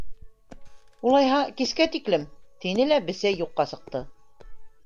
—Улайһа, кискә тиклем, —тине лә Бесәй юҡҡа сыҡты.